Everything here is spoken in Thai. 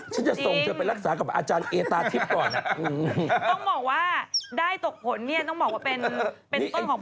จะส่งเธอไปรักษากับอาจารย์เอตาทิพย์ก่อน